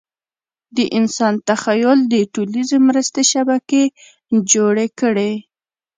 د انسان تخیل د ټولیزې مرستې شبکې جوړې کړې.